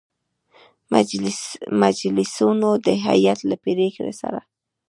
مجلسینو د هیئت له پرېکړې سـره